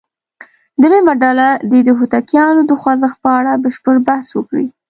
درېمه ډله دې د هوتکیانو د خوځښت په اړه بشپړ بحث وکړي.